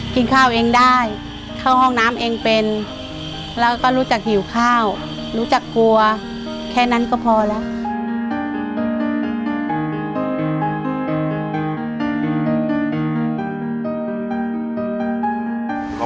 กินข้าวเองได้เข้าห้องน้ำเองเป็นแล้วก็รู้จักหิวข้าวรู้จักกลัวแค่นั้นก็พอแล้ว